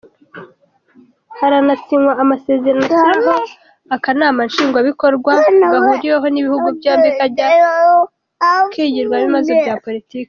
Haranasinywa amasezerano ashyiraho akanama ngishwanama gahuriweho n’ibihugu byombi kajya kigirwamo ibibazo bya politiki.